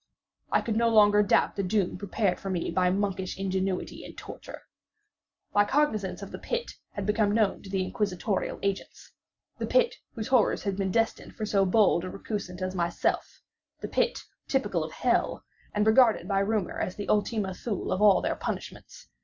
I could no longer doubt the doom prepared for me by monkish ingenuity in torture. My cognizance of the pit had become known to the inquisitorial agents—the pit, whose horrors had been destined for so bold a recusant as myself—the pit, typical of hell, and regarded by rumor as the Ultima Thule of all their punishments.